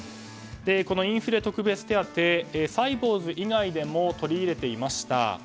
このインフレ特別手当はサイボウズ以外でも取り入れていました。